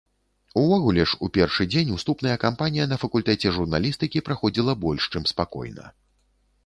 Увогуле ж, у першы дзень уступная кампанія на факультэце журналістыкі праходзіла больш чым спакойна.